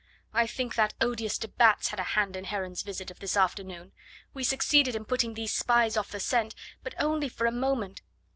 I think that odious de Batz had a hand in Heron's visit of this afternoon. We succeeded in putting these spies off the scent, but only for a moment...